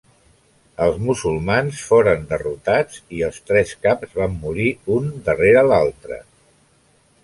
Els musulmans foren derrotats i els tres caps van morir un darrer l'altra.